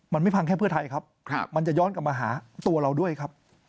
มันไม่พังแค่เพื่อไทยครับมันจะย้อนกลับมาหาตัวเราด้วยครับ